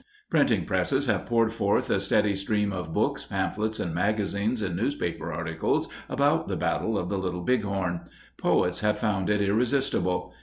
Printing presses have poured forth a steady stream of books, pamphlets, and magazine and newspaper articles about the Battle of the Little Bighorn. Poets have found it irresistible.